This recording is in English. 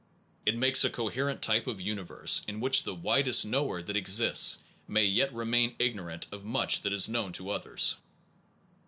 It makes a coherent type of universe in which the widest knower that exists may yet remain ignorant of much that is known to others.